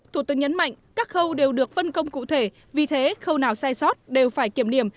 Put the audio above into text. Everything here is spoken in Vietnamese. thủ tướng nhấn mạnh các khâu đều được phân công cụ thể vì thế khâu nào sai sót đều phải kiểm điểm